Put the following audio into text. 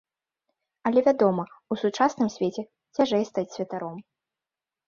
Але, вядома, у сучасным свеце цяжэй стаць святаром.